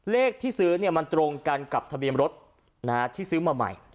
เลขที่ซื้อมันตรงกันกับทะเบียนรถที่ซื้อมาใหม่